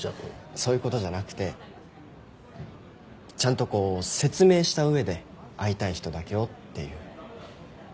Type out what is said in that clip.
そういうことじゃなくてちゃんとこう説明した上で会いたい人だけをっていう。